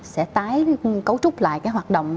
sẽ tái cấu trúc lại hoạt động